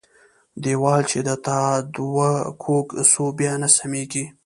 ديوال چې د تاداوه کوږ سو ، بيا نه سمېږي.